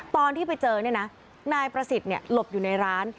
ตอนที่ไปเจอเนี่ยนะนายประสิทธิ์หลบอยู่ในร้าน